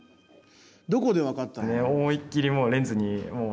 どこで分かったの？